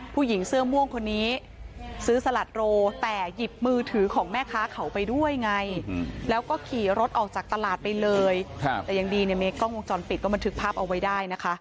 ผู้หญิงเสื้อม่วงคนนี้ซื้อสลัดโรแต่หยิบมือถือของแม่ค้าเขาไปด้วยไงแล้วก็ขี่รถออกจากตลาดไปเลยแต่ยังดีเนี่ยมีกล้องวงจรปิดก็บันทึกภาพเอาไว้ได้นะคะ